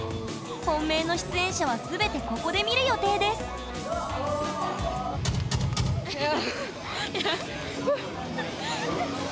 本命の出演者は全てここで見る予定ですフウ！